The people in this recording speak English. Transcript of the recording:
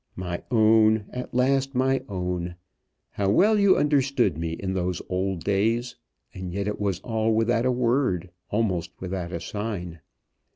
"My own, at last my own. How well you understood me in those old days. And yet it was all without a word, almost without a sign."